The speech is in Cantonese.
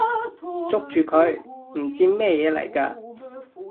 捉住佢！唔知咩嘢嚟㗎！